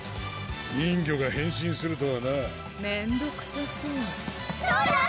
人魚が変身するとはなめんどくさそうローラ！